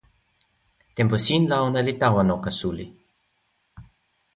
tenpo sin la ona li tawa noka suli.